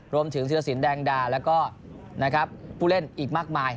รวมถึงธีระสินแดงดาแล้วก็นะครับผู้เล่นอีกมากมาย